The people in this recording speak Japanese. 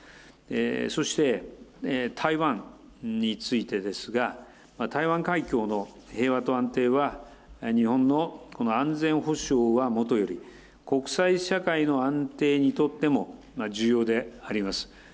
そして台湾についてですが、台湾海峡の平和と安定は、日本の安全保障はもとより、国際社会の安定にとっても重要であります。